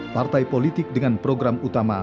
partai politik dengan program utama